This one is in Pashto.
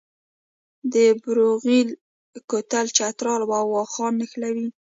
د بروغیل کوتل چترال او واخان نښلوي